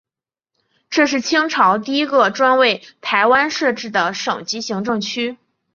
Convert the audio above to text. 这是清朝第一个专为台湾设置的省级行政区。